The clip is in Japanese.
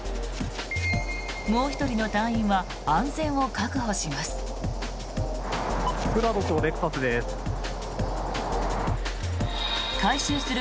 もう１人の隊員は安全を確保します。